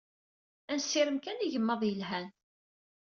Ad nessirem kan igmaḍ yelhan.